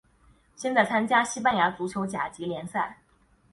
现在参加西班牙足球甲级联赛。